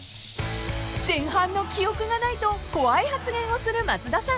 ［「前半の記憶がない」と怖い発言をする松田さん］